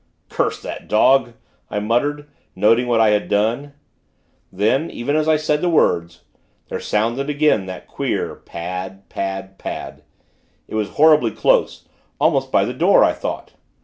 'Curse that dog!' I muttered, noting what I had done. Then, even as I said the words, there sounded again that queer pad, pad, pad. It was horribly close almost by the door, I thought.